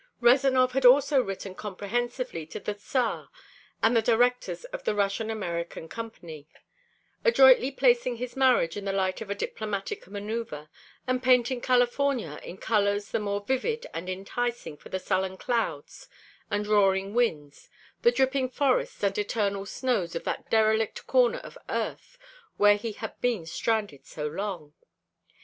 Rezanov had also written comprehensively to the Tsar and the directors of the Russian American Company, adroitly placing his marriage in the light of a diplomatic maneuver, and painting California in colors the more vivid and enticing for the sullen clouds and roaring winds, the dripping forests and eternal snows of that derelict corner of Earth where he had been stranded so long.